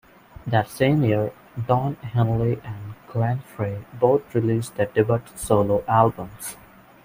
That same year, Don Henley and Glenn Frey both released their debut solo albums.